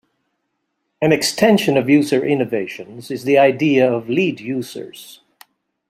An extension of user innovations is the idea of lead users.